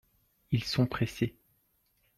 Ils sont pressés.